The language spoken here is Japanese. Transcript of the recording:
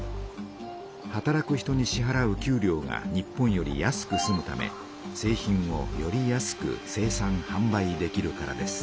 働く人にしはらう給料が日本より安くすむため製品をより安く生産はん売できるからです。